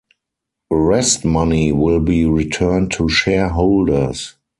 Rest money will be returned to shareholders.